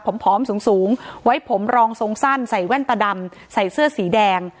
ผอมสูงสูงไว้ผมรองทรงสั้นใส่แว่นตาดำใส่เสื้อสีแดง